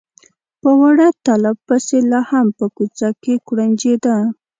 په واړه طالب پسې لا هم په کوڅه کې کوړنجېده.